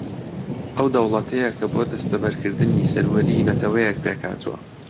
ئەو دەوڵەتەیە کە بۆ دەستەبەرکردنی سەروەریی نەتەوەیەک پێک ھاتووە